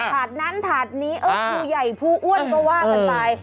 ถาดนั้นถาดนี้ครูใหญ่ผู้อ้วนก็ว่ากันไป